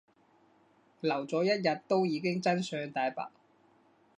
留咗一日都已經真相大白